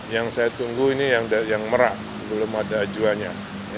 yang saya tunggu ini yang merah belum ada ajwanya